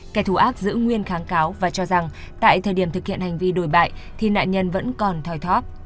kẻ thù ác giữ nguyên kháng cáo và cho rằng tại thời điểm thực hiện hành vi đổi bại thì nạn nhân vẫn còn thòi thóc